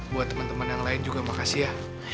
buat temen temen yang lain juga makasih ya